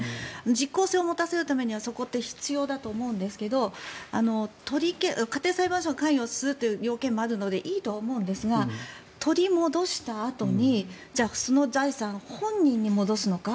実効性を持たせるためにはそこって必要性だと思うんですが家庭裁判所が関与するという要件もあるのでいいと思うんですが取り戻したあとにその財産、本人に戻すのか。